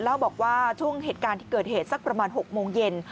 เล่าบอกว่าช่วงเหตุการณ์ที่เกิดเหตุสักประมาณ๖โมงเย็น